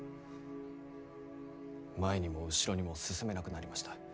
前にも後ろにも進めなくなりました。